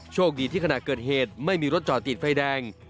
โชคดีที่ขณะเกิดเหตุไม่มีรถจอดติดไฟแดง